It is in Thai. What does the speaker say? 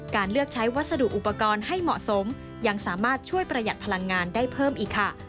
เลือกใช้วัสดุอุปกรณ์ให้เหมาะสมยังสามารถช่วยประหยัดพลังงานได้เพิ่มอีกค่ะ